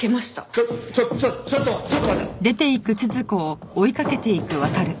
ちょちょちょちょっとちょっと待って！